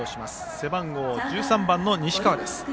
背番号１３番の西川です。